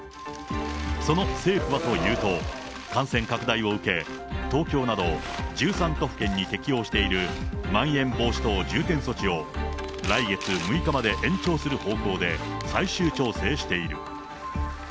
その政府はというと、感染拡大を受け、東京など、１３都府県に適用しているまん延防止等重点措置を、来月６日まで延長する方向で最終調整している。